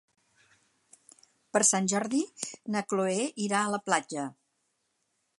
Per Sant Jordi na Chloé irà a la platja.